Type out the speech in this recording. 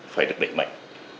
phải đặc biệt mạnh